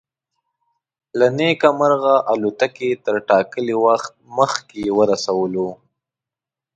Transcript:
له نیکه مرغه الوتکې تر ټاکلي وخت مخکې ورسولو.